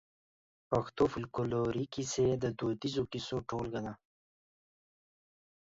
پښتو فولکلوريکي کيسې د دوديزو کيسو ټولګه ده.